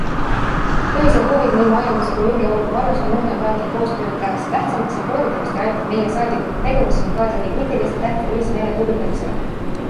Ühised huvid nii majanduse kui julgeoleku vallas on muutnud Balti koostöö taas tähtsamaks ning loodetavasti aitab meie saadikute tegevus siin kaasa nii kriitiliselt tähtsa ühismeele tugevdamisele.